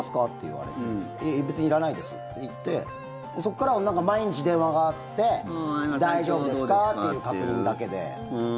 言われて別にいらないですって言ってそこからは毎日電話があって大丈夫ですか？っていう確認だけで。